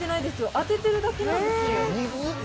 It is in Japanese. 当ててるだけなんですよ。